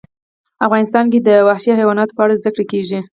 افغانستان کې د وحشي حیواناتو په اړه زده کړه کېږي.